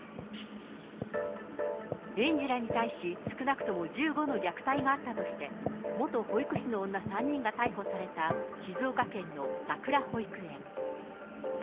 園児らに対し、少なくとも１５の虐待があったとして、元保育士の女３人が逮捕された静岡県のさくら保育園。